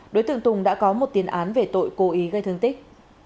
đối tượng tùng đã có một tiền án về tội cố ý gây thương tích